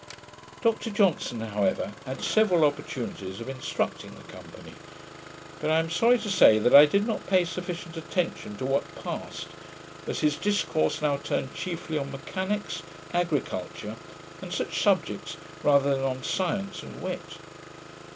Dr Johnson, however, had several opportunities of instructing the company; but I am sorry to say, that I did not pay sufficient attention to what passed, as his discourse now turned chiefly on mechanicks, agriculture and such subjects, rather than on science and wit.